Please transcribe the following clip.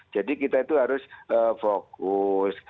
jadi kita itu harus fokus